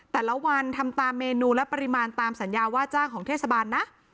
แต่ละวันทำตามเมนูและปริมาณตามสัญญาว่าจ้างของเทศบาลนะ